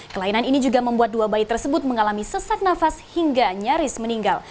kelainan ini juga membuat dua bayi tersebut mengalami sesak nafas hingga nyaris meninggal